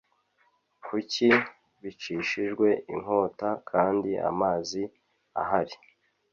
kuki bicishijwe inkota kandi amazi ahari